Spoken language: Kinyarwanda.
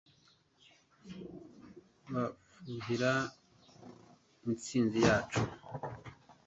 bafuhira intsinzi yacu